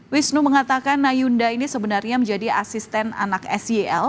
wisnu mengatakan nayunda ini sebenarnya menjadi asisten anak sel